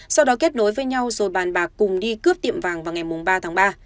sau đó kết nối với nhau rồi bàn bạc cùng đi cướp tiệm vàng vào ngày ba tháng ba